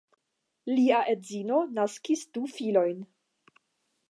Lia edzino naskis du filojn.